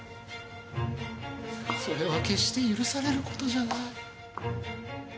それは決して許される事じゃない。